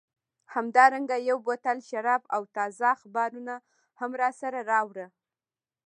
همدارنګه یو بوتل شراب او تازه اخبارونه هم راسره راوړه.